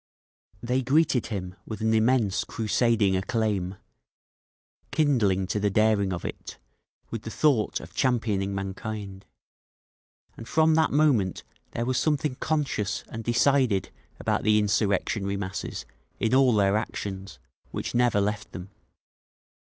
They greeted him with an immense crusading acclaim, kindling to the daring of it, with the thought of championing mankind. And from that moment there was something conscious and decided about the insurrectionary masses, in all their actions, which never left them.